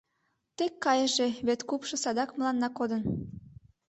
Тек кайыже — вет купшо садак мыланна кодын!»